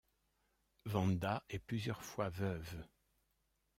Vanda est plusieurs fois veuves.